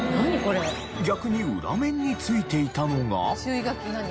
逆に裏面に付いていたのが。